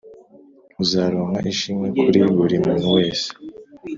uzaronka ishimwe kuri buri muntu wese.